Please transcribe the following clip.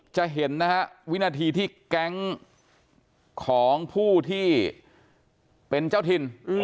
จะเห็นนะฮะวินาทีที่แก๊งของผู้ที่เป็นเจ้าถิ่น